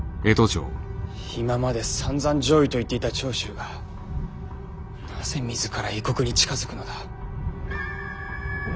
今までさんざん攘夷と言っていた長州がなぜ自ら異国に近づくのだ？